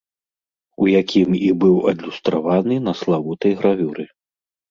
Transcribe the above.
У якім і быў адлюстраваны на славутай гравюры.